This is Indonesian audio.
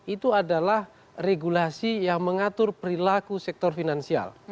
itu adalah regulasi yang mengatur perilaku sektor finansial